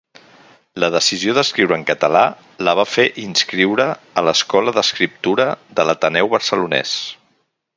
La decisió d'escriure en català la va fer inscriure a l'Escola d'Escriptura de l'Ateneu Barcelonès.